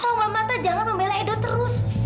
tolong mbak marta jangan memelih edo terus